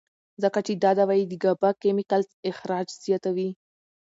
ځکه چې دا دوائي د ګابا کېميکلز اخراج زياتوي